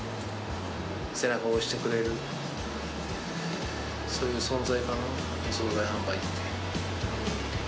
背中を押してくれる、そういう存在かな、お総菜販売って。